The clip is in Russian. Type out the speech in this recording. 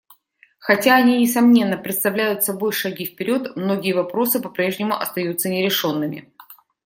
Хотя они, несомненно, представляют собой шаги вперед, многие вопросы по-прежнему остаются нерешенными.